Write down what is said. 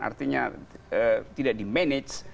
artinya tidak di manage